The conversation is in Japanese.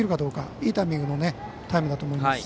いいタイミングのタイムだと思います。